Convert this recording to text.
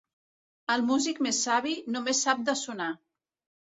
El músic més savi, només sap de sonar.